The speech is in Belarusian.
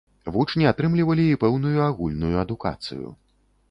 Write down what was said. Вучні атрымлівалі і пэўную агульную адукацыю.